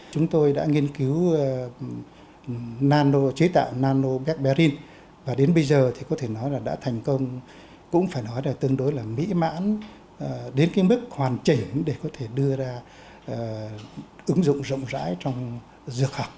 chúng tôi đã nghiên cứu chế tạo nano barbarin và đến bây giờ thì có thể nói là đã thành công cũng phải nói là tương đối là mỹ mãn đến cái mức hoàn chỉnh để có thể đưa ra ứng dụng rộng rãi trong dược học